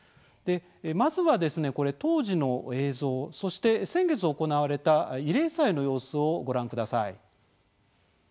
まずは当時の映像そして先月行われた慰霊祭の様子をご覧ください。